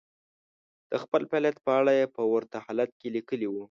د خپل فعاليت په اړه يې په ورته حالت کې ليکلي وو.